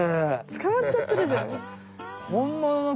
つかまっちゃってるじゃん。